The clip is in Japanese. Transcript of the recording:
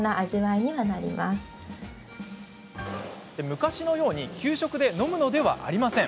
昔のように給食で飲むのではありません。